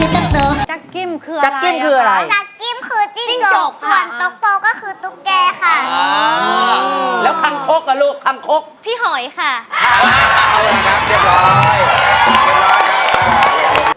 แล้วคำคลกลูกคำคลกพี่หอยค่ะ